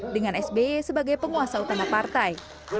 dengan sby sebagai penguasa utama partai